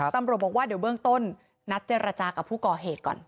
ตำรวจบอกว่าเดี๋ยวเบื้องต้นนัดเจรจากับผู้ก่อเหตุก่อน